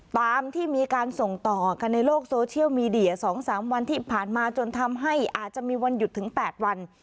ตามที่มีการส่งต่อกันในโลกโซเชียลมีเดีย๒๓วันที่ผ่านมาจนทำให้อาจจะมีวันหยุดถึง๘วัน